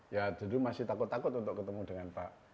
ya jadi masih takut takut untuk ketemu dengan pak hamzah has